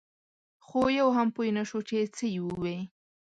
خو یو هم پوی نه شو چې څه یې ووې.